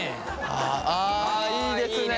ああいいですね！